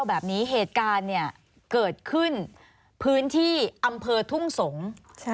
แบบนี้เหตุการณ์เนี่ยเกิดขึ้นพื้นที่อำเภอทุ่งสงศ์